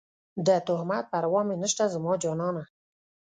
د تهمت پروا مې نشته زما جانانه